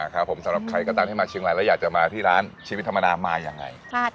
ครับผมสำหรับใครก็ตามที่มาเชียงรายแล้วอยากจะมาที่ร้านชีวิตธรรมดามายังไง